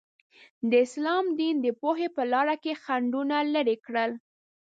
د اسلام دین د پوهې په لاره کې خنډونه لرې کړل.